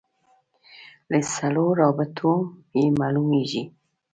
له سړو رابطو یې معلومېږي.